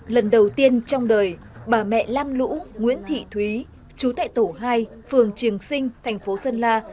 lần đầu tiên trong đời bà mẹ lam lũ nguyễn thị thúy chú tại tổ hai phường triềng sinh thành phố sơn la